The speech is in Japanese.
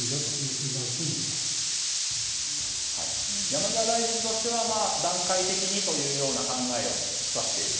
山際大臣としては段階的にというような考えを示唆している。